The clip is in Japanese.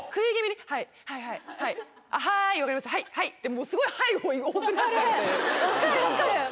はいはい！